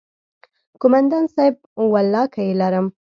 کومندان صايب ولله که يې لرم.